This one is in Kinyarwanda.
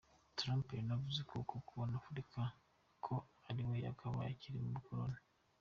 Trump yanavuze uko abona Afurika ko kuri we yakabaye ikiri mu bukoloni.